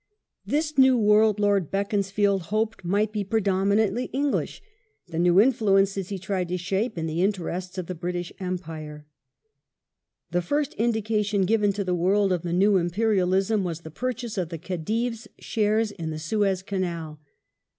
This new world Lord Beaconsfield hoped might be predominantly English, the new influences he tried to shape in the interests of the British Empire. Suez The first indication given to the world of the " new Imperial shares ^^^"^^^^^ purchase of the Khedive's shares in the Suez Canal.